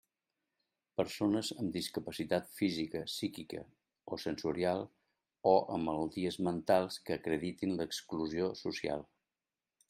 Persones amb discapacitat física, psíquica o sensorial o amb malalties mentals que acreditin l'exclusió social.